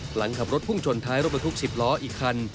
หลังขับรถพุ่งชนท้ายรถบรรทุก๑๐ล้ออีกคัน